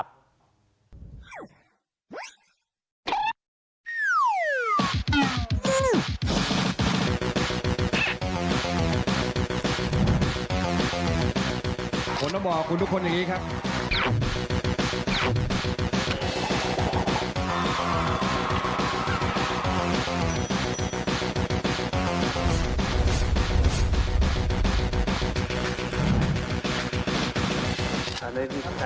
ผมต้องบอกคุณทุกคนอย่างนี้ครับ